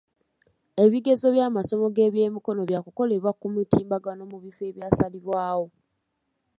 Ebigezo by'amasomo g'ebyemikono bya kukolebwa ku mutimbagano mu bifo ebyasalibwawo.